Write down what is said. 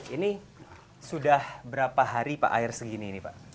ini sudah berapa hari pak air segini ini pak